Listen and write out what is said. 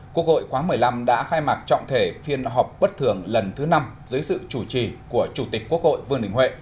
quốc hội khóa một mươi năm đã khai mạc trọng thể phiên họp bất thường lần thứ năm dưới sự chủ trì của chủ tịch quốc hội vương đình huệ